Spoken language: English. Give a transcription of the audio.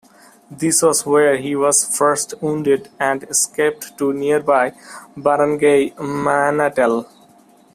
This was where he was first wounded and escaped to nearby barangay 'Manatal'.